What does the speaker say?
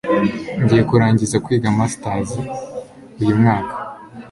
ngiye kurangiza kwiga masitazi uyu mwaka